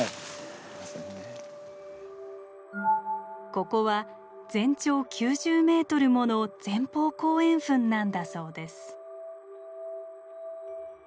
ここは全長９０ｍもの前方後円墳なんだそうです。